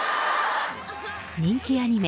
人気アニメ